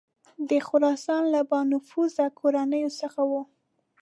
د خراسان له بانفوذه کورنیو څخه وه.